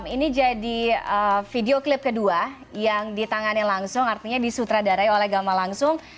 ini jadi video klip kedua yang ditangani langsung artinya disutradarai oleh gama langsung